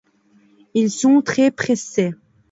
Ils sont très pressés.